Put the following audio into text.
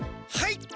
はい。